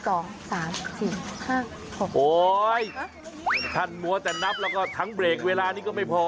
โอ้โหท่านมัวแต่นับแล้วก็ทั้งเบรกเวลานี้ก็ไม่พอ